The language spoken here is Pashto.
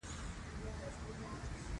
کلي د افغانستان د طبعي سیسټم توازن ساتي.